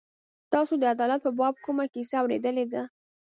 تاسو د عدالت په باب کومه کیسه اورېدلې ده.